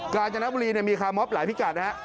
กาญจนบุรีมีคาร์มอบหลายพิกัดนะฮะ